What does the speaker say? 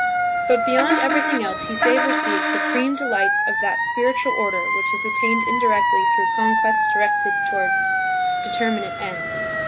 But beyond everything else he savours the supreme delights of that spiritual order which is attained indirectly through conquests directed towards determinate ends.